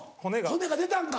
骨が出たんか。